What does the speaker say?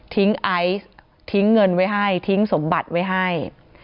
ไอซ์ทิ้งเงินไว้ให้ทิ้งสมบัติไว้ให้